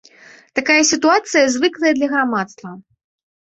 Такая сітуацыя звыклая для грамадства.